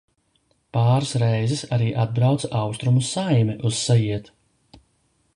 Pāris reizes arī atbrauca Austruma saime uz saietu.